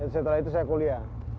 setelah itu saya kuliah